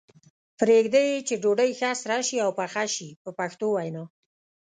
پرېږدي یې چې ډوډۍ ښه سره شي او پخه شي په پښتو وینا.